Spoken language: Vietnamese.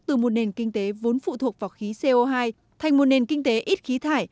từ một nền kinh tế vốn phụ thuộc vào khí co hai thành một nền kinh tế ít khí thải